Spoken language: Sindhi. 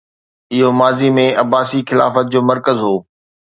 اهو ماضي ۾ عباسي خلافت جو مرڪز هو